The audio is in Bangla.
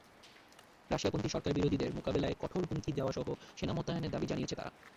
রাশিয়াপন্থী সরকারবিরোধীদের মোকাবিলায় কঠোর হুমকি দেওয়াসহ সেনা মোতায়েনের দাবি জানিয়েছে তারা।